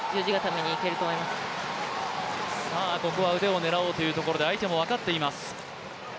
ここは腕を狙おうというところで、相手も分かっています。